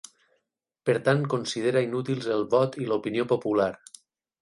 Per tant considera inútils el vot i l'opinió popular.